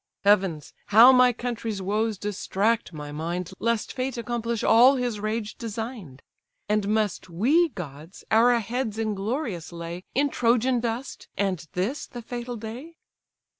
Heavens! how my country's woes distract my mind, Lest Fate accomplish all his rage design'd! And must we, gods! our heads inglorious lay In Trojan dust, and this the fatal day?